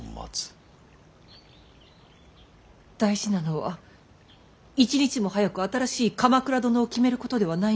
大事なのは一日も早く新しい鎌倉殿を決めることではないのですか。